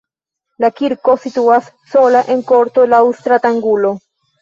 La kirko situas sola en korto laŭ stratangulo.